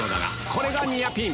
これがニアピン！